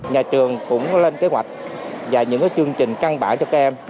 nhà trường cũng lên kế hoạch và những chương trình căn bản cho các em